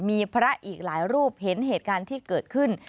มีพระอีกหลายรูปเห็นเหตุการณ์ที่เกิดขึ้น